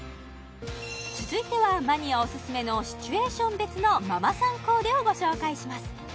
続いてはマニアおすすめのシチュエーション別のママさんコーデをご紹介します